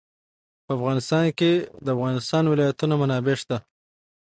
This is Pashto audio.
په افغانستان کې د د افغانستان ولايتونه منابع شته.